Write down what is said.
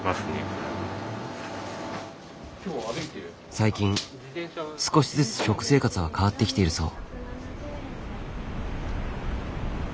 最近少しずつ食生活は変わってきているそう。